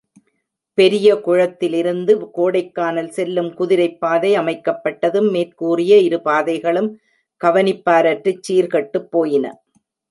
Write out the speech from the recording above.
பெரியகுளத்திலிருந்து கோடைக்கானல் செல்லும் குதிரைப் பாதை அமைக்கப்பட்டதும், மேற்கூறிய இரு பாதைகளும் கவனிப்பாரற்றுச் சீர் கெட்டுப் போயின.